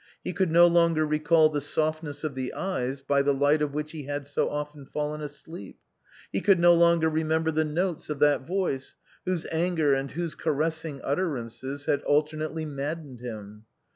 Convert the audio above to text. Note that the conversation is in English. He could no longer recall the softness of the eyes by the light of which he had so often fallen asleep. He could no longer remember the notes of that voice whose anger and whose caressing utter ances had alternately maddened him.